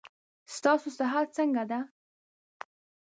ستاسو صحت څنګه ده.